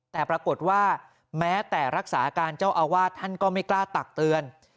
แต่ปรากฏว่าแม้แต่รักษาการเจ้าอาวาสท่านก็ไม่กล้าตักเตือน